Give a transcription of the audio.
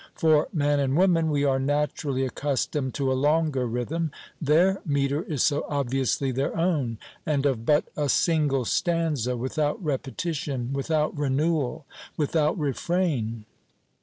For man and woman we are naturally accustomed to a longer rhythm; their metre is so obviously their own, and of but a single stanza, without repetition, without renewel, without refrain.